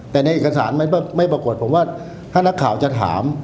แต่ในเอกสารมันไม่ปรากฏผมว่าถ้านักข่าวจะถาม